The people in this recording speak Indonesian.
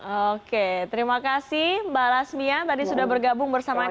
oke terima kasih mbak lasmia tadi sudah bergabung bersama kami